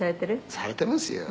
「されてますよ」